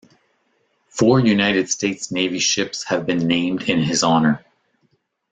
Four United States Navy ships have been named in his honor.